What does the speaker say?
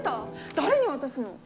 誰に渡すの？